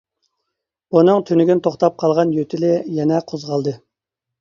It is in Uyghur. ئۇنىڭ تۈنۈگۈن توختاپ قالغان يۆتىلى يەنە قوزغالدى.